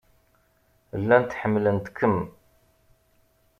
Llant ḥemmlent-kem.